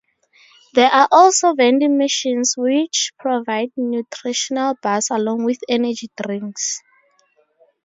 There are also vending machines which provide nutritional bars along with energy drinks.